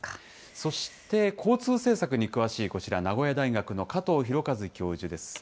そして、交通政策に詳しいこちら、名古屋大学の加藤博和教授です。